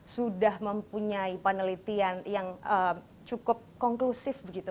sudah mempunyai penelitian yang cukup konklusif begitu